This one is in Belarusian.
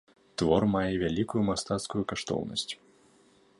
Твор мае вялікую мастацкую каштоўнасць.